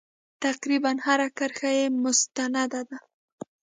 تقریبا هره کرښه یې مستنده ده.